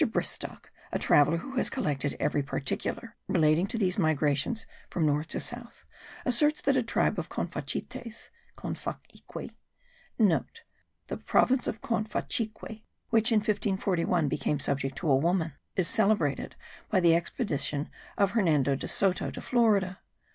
Bristock, a traveller who has collected every particular relating to these migrations from north to south, asserts that a tribe of Confachites (Confachiqui* (* The province of Confachiqui, which in 1541 became subject to a woman, is celebrated by the expedition of Hernando de Soto to Florida.